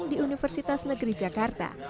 di universitas negeri jakarta